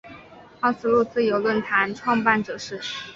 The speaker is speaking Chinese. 奥斯陆自由论坛创办者是。